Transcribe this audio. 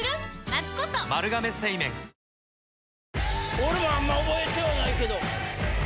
俺もあんまり覚えてはないけど。